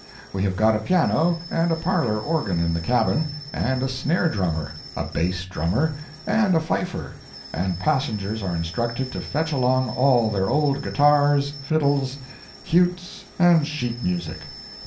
We have got a piano and a parlor organ in the cabin, and a snare drummer, a base drummer and a fifer, and the passengers are instructed to fetch along all their old guitars, fiddles, Hutes and sheet music.